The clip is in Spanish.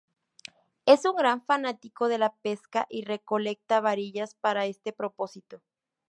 Es un gran fanático de la pesca y recolecta varillas para este propósito.